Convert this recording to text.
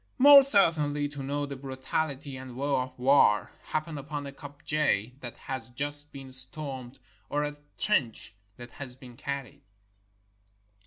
More certainly to know the brutality and woe of war, happen upon a kopje that has just been stormed, or a 461 SOUTH AFRICA trench that has been carried.